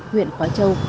huyện khóa châu